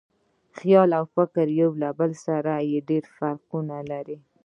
خیال او فکر یو له بل سره ډېر فرقونه لري.